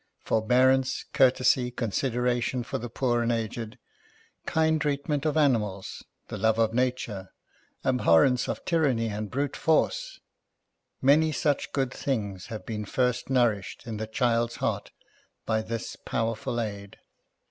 Forbearance, courtesy, consideration for the poor and aged, kind treatment of animals, the love of nature, abhorrence of tyranny and brute force — many such good things have been first nourished in the child's heart by this powerful aid.